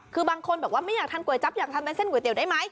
คือบางคนบอกว่าไม่อยากทานก๋วยจั๊บอยากทำเป็นเส้นก๋วเตี๋ได้ไหม